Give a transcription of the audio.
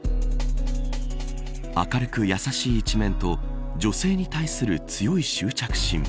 明るく、優しい一面と女性に対する強い執着心。